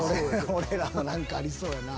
俺らの何かありそうやな。